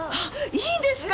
いいんですか！